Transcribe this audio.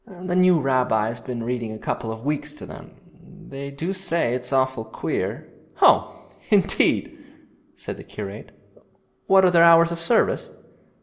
The new rabbi's been reading a couple of weeks to them. They do say it's awful queer.' 'Oh, indeed!' said the curate; 'what are their hours of service?'